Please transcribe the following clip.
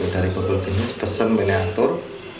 dari google business pesan miniatur